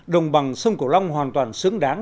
đồng bằng sông cổ long hoàn toàn xứng đáng